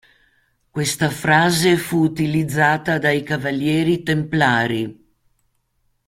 Questa frase fu utilizzata dai cavalieri templari.